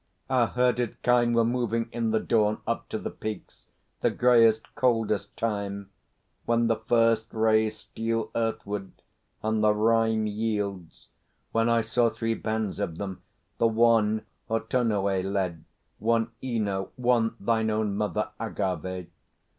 Our herded kine were moving in the dawn Up to the peaks, the greyest, coldest time, When the first rays steal earthward, and the rime Yields, when I saw three bands of them. The one Autonoë led, one Ino, one thine own Mother, Agâvê.